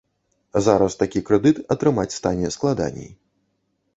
Зараз такі крэдыт атрымаць стане складаней.